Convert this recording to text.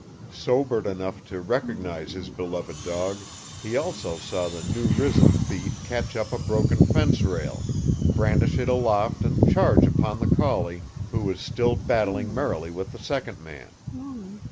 Sobered enough to recognize his beloved dog, he also saw the newrisen thief catch up a broken fence rail, brandish it aloft and charge upon the collie, who was still battling merrily with the second man.